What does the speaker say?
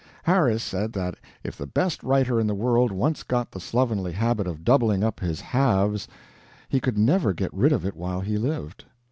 Harris said that if the best writer in the world once got the slovenly habit of doubling up his "haves" he could never get rid of it while he lived.